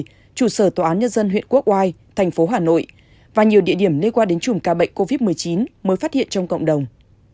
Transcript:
trong đó có bảy trường hợp mắc covid một mươi chín chủ sở tòa án nhân dân huyện quốc oai thành phố hà nội và nhiều địa điểm liên quan đến chùm ca bệnh covid một mươi chín mới phát hiện trong cộng đồng